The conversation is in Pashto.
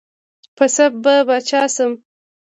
پۀ څۀ به باچا شم ـ